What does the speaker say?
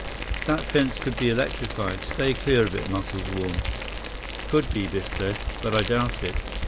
"That fence could be electrified. Stay clear of it," Muscles warned. "Could be," Biff said, "but I doubt it.